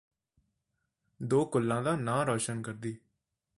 ਦੋ ਕੁੱਲਾਂ ਦਾ ਨਾਂ ਰੋਸ਼ਨ ਕਰਦੀ